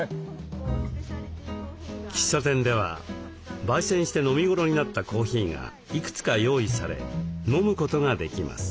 喫茶店ではばい煎して飲みごろになったコーヒーがいくつか用意され飲むことができます。